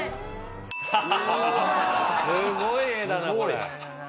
すごい画だなこれ。